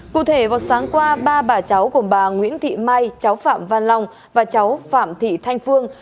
cụ thể vào sáng qua ba bà cháu gồm bà nguyễn thị mai cháu phạm văn long và cháu phạm thị thanh phương